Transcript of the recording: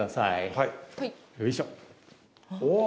はいよいしょうわ